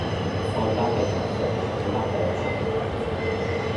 o lape taso, lape kon o.